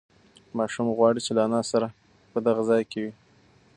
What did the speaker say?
ماشوم غواړي چې له انا سره په دغه ځای کې وي.